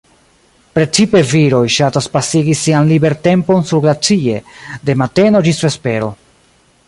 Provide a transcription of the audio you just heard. Precipe viroj ŝatas pasigi sian libertempon surglacie, de mateno ĝis vespero.